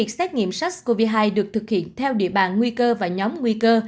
xét nghiệm sars cov hai được thực hiện theo địa bàn nguy cơ và nhóm nguy cơ